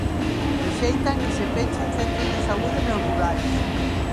Rexeitan que se pechen centros de saúde no rural.